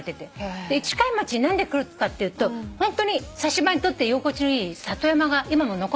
で市貝町に何で来るかっていうとホントにサシバにとって居心地のいい里山が今も残ってるんだよね。